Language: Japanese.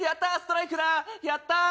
やった！